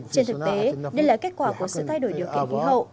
trên thực tế đây là kết quả của sự thay đổi điều kiện khí hậu